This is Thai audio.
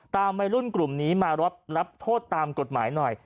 ตามให้รุ่นกลุ่มนี้มารับรับโทษตามกฎหมายหน่อย